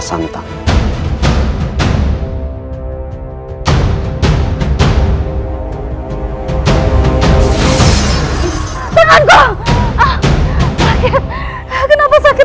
sampai itu bilang allah jangan mewarisi si nama kita